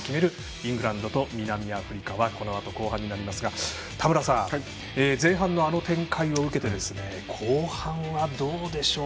イングランドと南アフリカはこのあと後半になりますが田村さん前半の、あの展開を受けて後半は、どうでしょう。